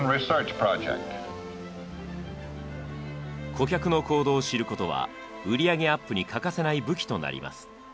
顧客の行動を知ることは売り上げアップに欠かせない武器となります。